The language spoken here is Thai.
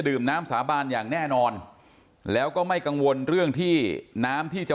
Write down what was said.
น้ำสาบานอย่างแน่นอนแล้วก็ไม่กังวลเรื่องที่น้ำที่จะ